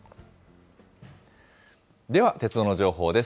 では、鉄道の情報です。